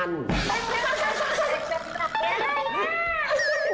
แอคชั่น